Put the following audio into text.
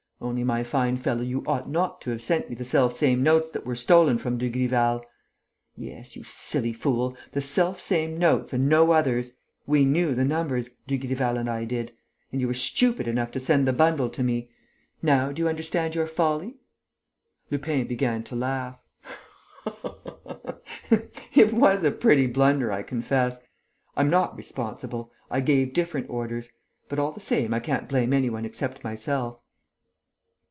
Only, my fine fellow, you ought not to have sent me the selfsame notes that were stolen from Dugrival! Yes, you silly fool, the selfsame notes and no others! We knew the numbers, Dugrival and I did. And you were stupid enough to send the bundle to me. Now do you understand your folly?" Lupin began to laugh: "It was a pretty blunder, I confess. I'm not responsible; I gave different orders. But, all the same I can't blame any one except myself."